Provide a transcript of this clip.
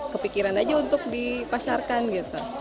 kepikiran aja untuk dipasarkan gitu